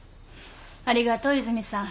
ありがとう和泉さん。